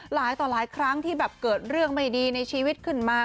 หลายต่อหลายครั้งที่แบบเกิดเรื่องไม่ดีในชีวิตขึ้นมา